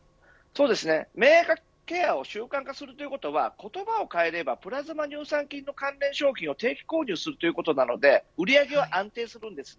免疫ケアを習慣化するということは言葉を変えるというプラズマ乳酸菌の関連商品を定期購入するということなので売り上げは安定します。